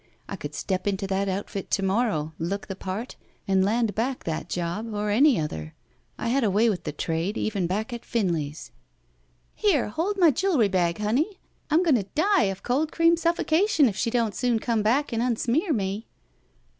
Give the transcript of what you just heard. I could step into that outfit to morrow, look the part, and land back that job or any other. I had a way with the trade, even back at Finley's.*' "Here, hold my jewel bag, honey; I'm going to die of cold cream suffocation if she don't soon come back and unsmear me."